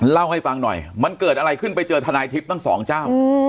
เล่าให้ฟังหน่อยมันเกิดอะไรขึ้นไปเจอทนายทิพย์ทั้งสองเจ้า